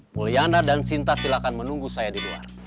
mulyana dan sinta silakan menunggu saya di luar